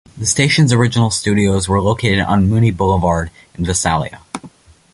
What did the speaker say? The station's original studios were located on Mooney Boulevard in Visalia.